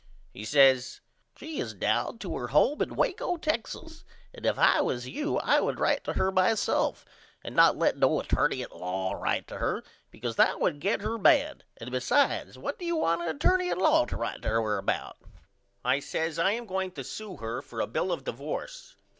He says She is down to her home in Waco, Texas, and if I was you I would write to her myself and not let no attorney at law write to her because that would get her mad and besides what do you want a attorney at law to write to her about? I says I am going to sew her for a bill of divorce.